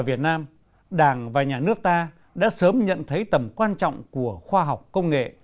việt nam đảng và nhà nước ta đã sớm nhận thấy tầm quan trọng của khoa học công nghệ